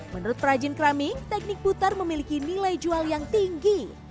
menurut perajin keramik teknik putar memiliki nilai jual yang tinggi